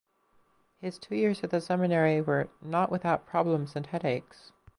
His two years at the seminary were "not without problems and headaches".